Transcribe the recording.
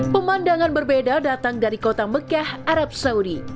pemandangan berbeda datang dari kota mekah arab saudi